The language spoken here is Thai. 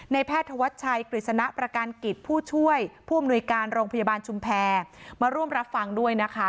แพทย์ธวัชชัยกฤษณะประการกิจผู้ช่วยผู้อำนวยการโรงพยาบาลชุมแพรมาร่วมรับฟังด้วยนะคะ